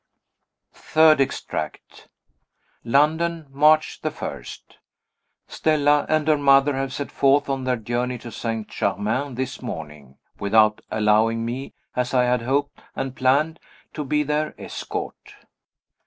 Third Extract. London, March 1. Stella and her mother have set forth on their journey to St. Germain this morning, without allowing me, as I had hoped and planned, to be their escort.